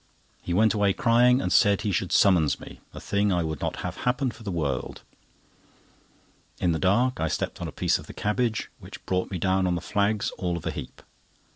He went away crying, and said he should summons me, a thing I would not have happen for the world. In the dark, I stepped on a piece of the cabbage, which brought me down on the flags all of a heap.